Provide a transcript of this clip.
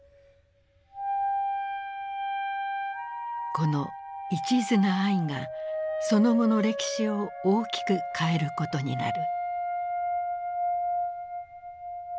このいちずな愛がその後の歴史を大きく変えることになる。